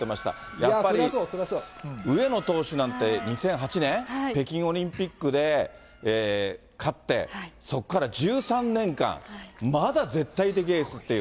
やっぱり上野投手なんて２００８年、北京オリンピックで勝って、そこから１３年間、まだ絶対的エースっていう。